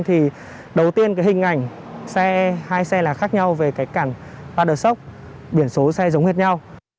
thì đầu tiên cái hình ảnh hai xe là khác nhau về cái cản paddler shock biển số xe giống hết nhau